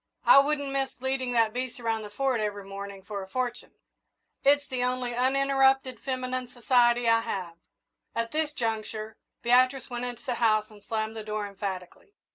I wouldn't miss leading that beast around the Fort every morning for a fortune. It's the only uninterrupted feminine society I have." At this juncture, Beatrice went into the house and slammed the door emphatically.